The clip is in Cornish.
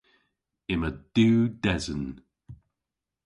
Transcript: Yma diw desen.